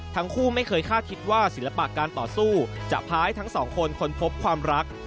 ทั้งคู่ไม่เคยคาดคิดว่าศิลปะการต่อสู้จะพาให้ทั้งสองคนค้นพบความรัก